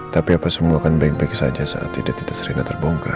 tapi apa semua kan baik baik saja saat hidup kita sering terbongkar